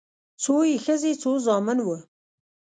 څو يې ښځې څو زامن وه